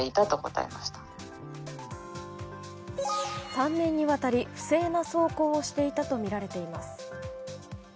３年にわたり不正な走行をしていたとみられています。